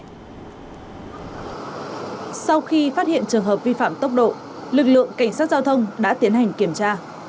sau khi phát hiện trường hợp vi phạm tốc độ lực lượng cảnh sát giao thông đã tiến hành kiểm tra